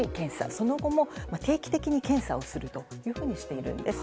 その後も定期的に検査をするというふうにしているんです。